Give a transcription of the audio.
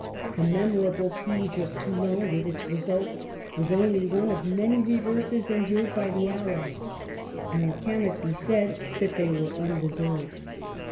The memorable siege of Toulon, with its result, was only one among many reverses endured by the Allies, nor can it be said that they were undeserved.